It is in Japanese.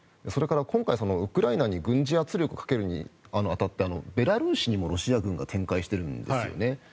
それから、今回ウクライナに軍事圧力をかけるに当たってベラルーシにもロシア軍が展開してるんですね。